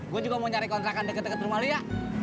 gua juga mau nyari kontrakan deket deket rumah lu ya